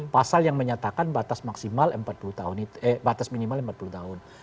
pasal yang menyatakan batas maksimal empat puluh tahun eh batas minimal empat puluh tahun